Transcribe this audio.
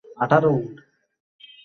মানে আমরা সবকিছু চমৎকারভাবে সামলাবো।